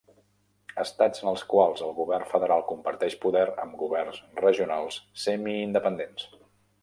Estats en els quals el govern federal comparteix poder amb governs regionals semiindependents.